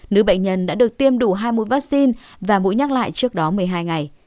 nữ bệnh nhân đã được tiêm đủ hai mươi vaccine và mũi nhắc lại trước đó một mươi hai ngày